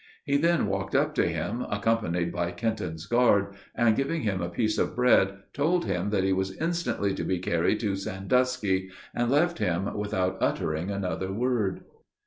He then walked up to him, accompanied by Kenton's guard, and, giving him a piece of bread, told him that he was instantly to be carried to Sandusky; and left him without uttering another word.